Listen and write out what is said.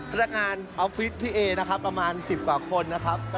พนักงานออฟฟิศพี่เอนะครับประมาณ๑๐กว่าคนนะครับ